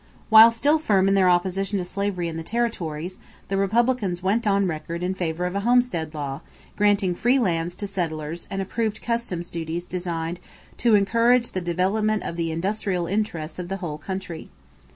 While still firm in their opposition to slavery in the territories, the Republicans went on record in favor of a homestead law granting free lands to settlers and approved customs duties designed "to encourage the development of the industrial interests of the whole country."